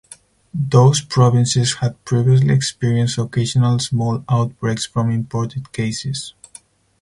Those provinces had previously experienced occasional small outbreaks from imported cases.